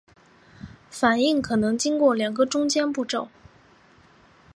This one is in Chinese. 反应可能经过两个中间步骤。